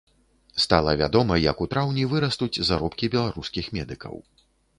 Стала вядома, як у траўні вырастуць заробкі беларускіх медыкаў.